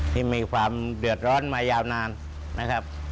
ที่มีความเดือดร้อนมายาวนานนะครับ